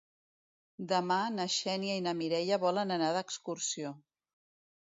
Demà na Xènia i na Mireia volen anar d'excursió.